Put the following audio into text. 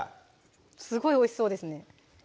すごいおいしそうですね